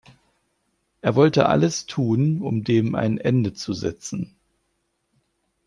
Er wollte alles tun, um dem ein Ende zu setzen.